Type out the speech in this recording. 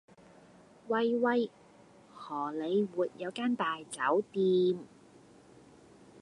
喂喂荷里活有間大酒店